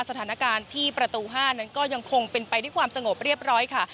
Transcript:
สถานการณ์ที่ประตู๕นั้นก็ยังคงเป็นไปด้วยความสงบเรียบร้อยค่ะ